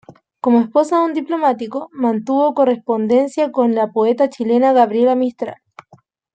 Como esposa de un diplomático, mantuvo correspondencia con la poeta chilena Gabriela Mistral.